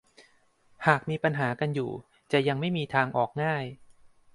หากมีปัญหากันอยู่จะยังไม่มีทางออกง่าย